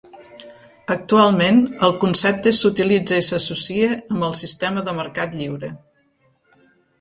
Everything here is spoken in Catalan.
Actualment, el concepte s'utilitza i s'associa amb el sistema de mercat lliure.